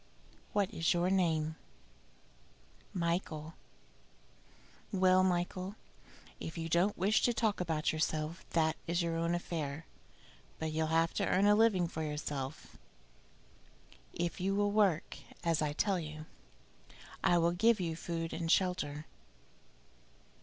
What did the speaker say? "What is your name?" "Michael." "Well, Michael, if you don't wish to talk about yourself, that is your own affair; but you'll have to earn a living for yourself. If you will work as I tell you, I will give you food and shelter."